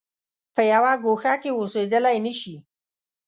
په یوه ګوښه کې اوسېدلای نه شي.